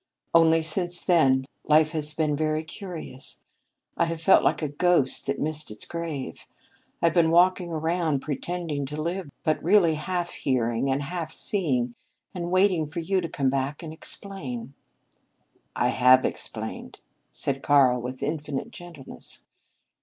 Only since then life has been very curious. I have felt like a ghost that missed its grave. I've been walking around, pretending to live, but really half hearing and half seeing, and waiting for you to come back and explain." "I have explained," said Karl with infinite gentleness.